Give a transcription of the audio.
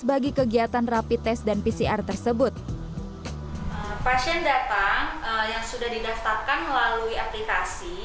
bagi kegiatan rapi tes dan pcr tersebut pasien datang yang sudah didaftarkan melalui aplikasi